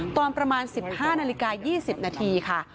ตอนประมาณ๑๕นาฬิกา๒๐นาทีค่ะ